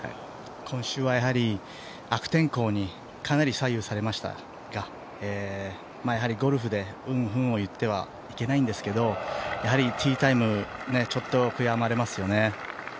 今週はやはり悪天候にかなり左右されましたがやはりゴルフで運不運を言ってはいけないんですけど、ティータイム、ちょっと悔やまれますよね。